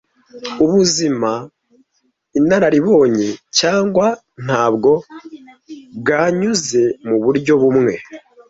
Ubuzima, inararibonye cyangwa ntabwo, bwanyuze muburyo bumwe